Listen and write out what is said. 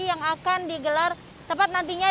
yang akan digelar tepat nantinya